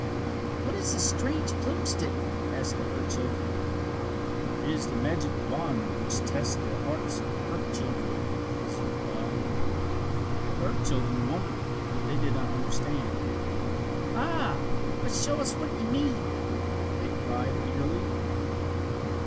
"What is this strange plume stick?" asked the earth children. "It is the magic wand which tests the hearts of earth children," was the reply. The earth children wondered, but they did not understand. "Ah, but show us what you mean!" they cried, eagerly.